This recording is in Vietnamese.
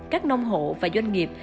các nông hộ và doanh nghiệp